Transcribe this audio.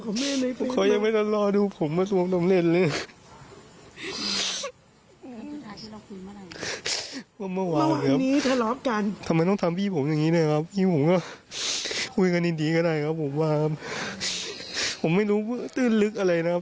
คุยกันดีกันได้ครับผมว่าผมไม่รู้ตื่นลึกอะไรนะครับ